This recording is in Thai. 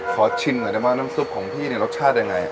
ขอชินหน่อยดังว่าน้ำซุปของพี่รสชาติได้ยังไง